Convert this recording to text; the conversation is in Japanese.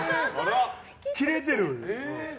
切れてる！